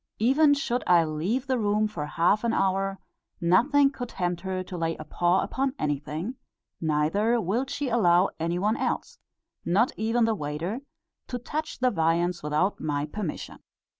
Even should I leave the room for half an hour, nothing could tempt her to lay a paw upon anything; neither will she allow any one else, not even the waiter, to touch the viands without my permission.